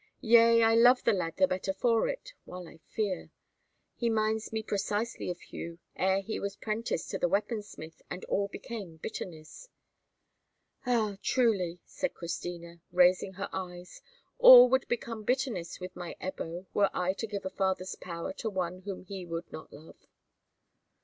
Yea, I love the lad the better for it, while I fear. He minds me precisely of Hugh ere he was 'prenticed to the weapon smith, and all became bitterness." "Ah, truly," said Christina, raising her eyes "all would become bitterness with my Ebbo were I to give a father's power to one whom he would not love."